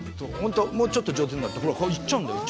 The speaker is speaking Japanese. もうちょっと上手になるとほら行っちゃうんだよ。